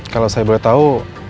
kalau saya boleh tahu